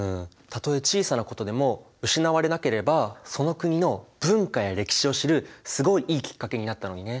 たとえ小さなことでも失われなければその国の文化や歴史を知るすごいいいきっかけになったのにね。